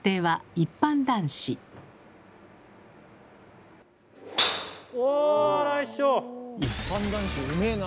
一般男子うめえな。